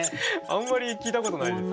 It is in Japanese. あんまり聞いたことないですね。